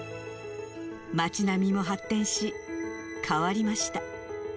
町並みも発展し、変わりました。